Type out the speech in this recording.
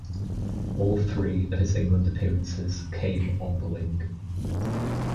All three of his England appearances came on the wing.